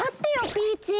ピーチー！